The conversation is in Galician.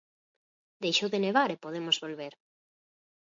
Deixou de nevar e podemos volver.